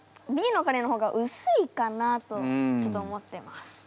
Ｂのカレーの方がうすいかなとちょっと思ってます。